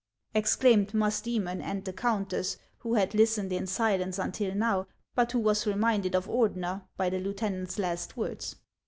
exclaimed Musdoemon and the countess, who had listened in silence until now, but who was reminded of Ordener by the lieutenant's last words.